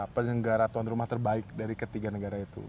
penyelenggara tuan rumah terbaik dari ketiga negara itu